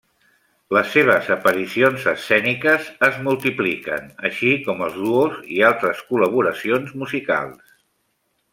Les seves aparicions escèniques es multipliquen, així com els duos i altres col·laboracions musicals.